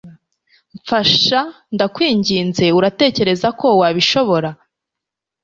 mfasha, ndakwinginze! uratekereza ko wabishobora